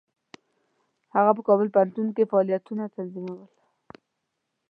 هغه په کابل پوهنتون کې فعالیتونه تنظیمول.